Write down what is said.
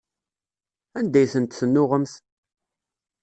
Anda ay tent-tennuɣemt?